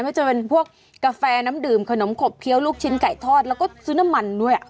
ไม่จะเป็นพวกกาแฟน้ำดื่มขนมขบเคี้ยวลูกชิ้นไก่ทอดแล้วก็ซื้อน้ำมันด้วย